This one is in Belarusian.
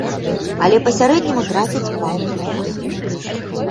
Але па сярэдняму трацяць паўмільёна.